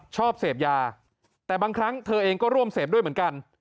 ชอบเสพยาแต่บางครั้งเธอเองก็ร่วมเสพด้วยเหมือนกัน